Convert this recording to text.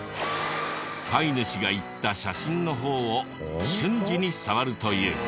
飼い主が言った写真の方を瞬時に触るという。